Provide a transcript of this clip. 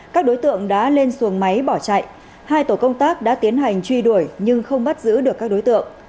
các đối tượng đã lên xuồng máy bỏ chạy hai tổ công tác đã tiến hành truy đuổi nhưng không bắt giữ được các đối tượng